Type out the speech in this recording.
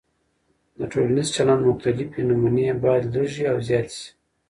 د ټولنیز چلند مختلفې نمونې باید لږې او زیاتې سي.